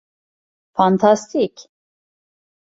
Fantastik!